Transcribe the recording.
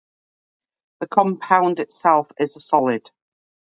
The compound itself is a solid.